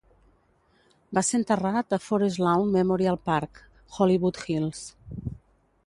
Va ser enterrat a Forest Lawn Memorial Park, Hollywood Hills.